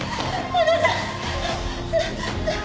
あなた！